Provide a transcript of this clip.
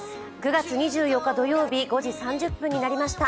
９月２４日土曜日、５時３０分になりました。